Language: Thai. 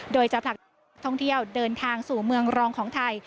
โดยจะผลักท่องเที่ยวเดินทางสู่เมืองรองของไทย